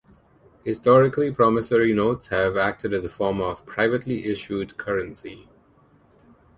Historically, promissory notes have acted as a form of privately issued currency.